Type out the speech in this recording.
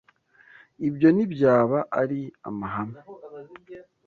Ibyo ntibyaba ari amahame.